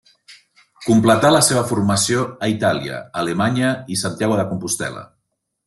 Completà la seva formació a Itàlia, Alemanya i Santiago de Compostel·la.